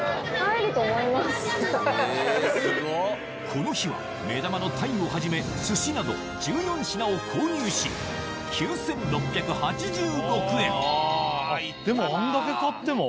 この日は目玉のタイをはじめ寿司など１４品を購入し９６８６円でもあんだけ買っても？